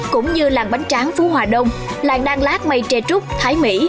cũng như làng bánh tráng phú hòa đông làng đan lát mây tre trúc thái mỹ